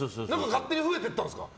勝手に増えてったんですか？